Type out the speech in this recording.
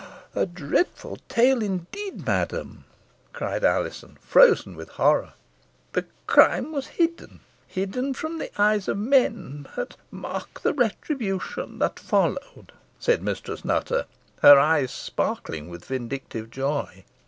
"A dreadful tale, indeed, madam!" cried Alizon, frozen with horror. "The crime was hidden hidden from the eyes of men, but mark the retribution that followed," said Mistress Nutter; her eyes sparkling with vindictive joy.